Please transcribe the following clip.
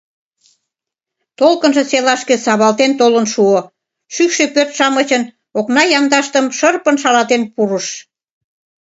Толкынжо селашке савалтен толын шуо, шӱкшӧ пӧрт-шамычын окна яндаштым шырпын шалатен пурыш.